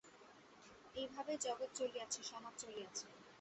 এইভাবেই জগৎ চলিয়াছে, সমাজ চলিয়াছে।